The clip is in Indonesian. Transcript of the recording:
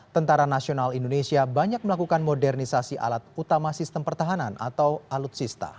tentara nasional indonesia banyak melakukan modernisasi alat utama sistem pertahanan atau alutsista